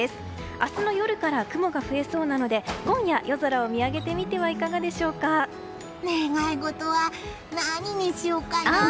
明日の夜から雲が増えそうなので今夜夜空を見上げてみては願い事は何にしようかなあ？